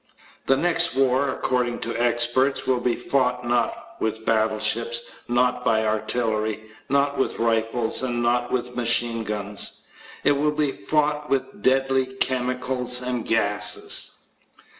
The next war, according to experts, will be fought not with battleships, not by artillery, not with rifles and not with machine guns. It will be fought with deadly chemicals and gases.